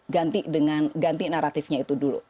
ganti dengan ganti naratifnya itu dulu